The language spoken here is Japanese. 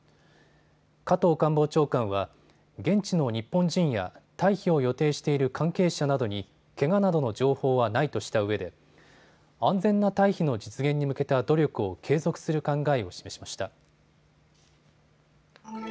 加藤官房長官は現地の日本人や退避を予定している関係者などにけがなどの情報はないとしたうえで安全な退避の実現に向けた努力を継続する考えを示しました。